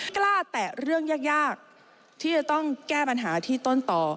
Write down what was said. แตะเรื่องยากที่จะต้องแก้ปัญหาที่ต้นต่อ